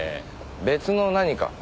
別の何か？